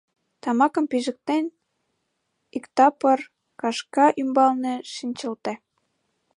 Тамакым пижыктен, иктапыр кашка ӱмбалне шинчылте.